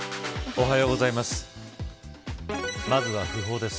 おはようございます。